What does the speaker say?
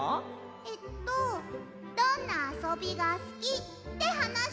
えっと「どんなあそびがすき？」ってはなし。